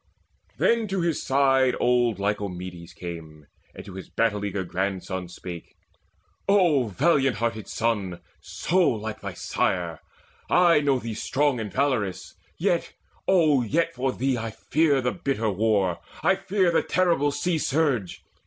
Then to his side old Lycomedes came, And to his battle eager grandson spake: "O valiant hearted son, so like thy sire, I know thee strong and valorous; yet, O yet For thee I fear the bitter war; I fear The terrible sea surge.